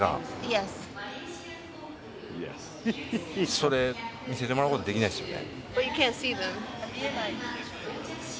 それ見せてもらうことできないですよね？